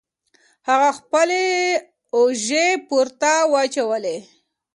هغه خپلې اوژې پورته واچولې.